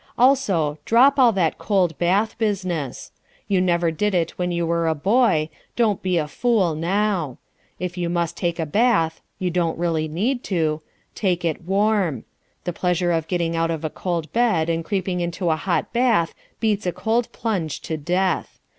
Also, drop all that cold bath business. You never did it when you were a boy. Don't be a fool now. If you must take a bath (you don't really need to), take it warm. The pleasure of getting out of a cold bed and creeping into a hot bath beats a cold plunge to death.